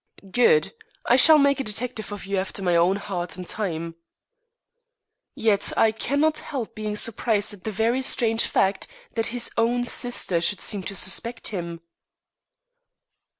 "Good. I shall make a detective of you after my own heart in time." "Yet I cannot help being surprised at the very strange fact that his own sister should seem to suspect him!"